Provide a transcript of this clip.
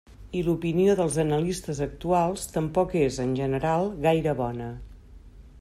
I l'opinió dels analistes actuals tampoc és, en general, gaire bona.